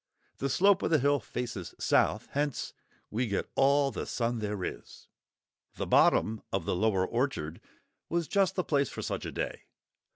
The slope of the hill faces south; hence we get all the sun there is. The bottom of the lower orchard was just the place for such a day.